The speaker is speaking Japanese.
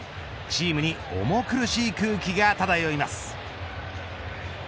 チームに重苦しい空気が漂います。